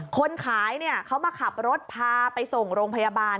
คนขายเขามาขับรถพาไปส่งโรงพยาบาล